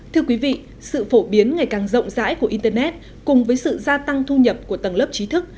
thưa quý vị sự phổ biến ngày càng rộng rãi của internet cùng với sự gia tăng thu nhập của tầng lớp trí thức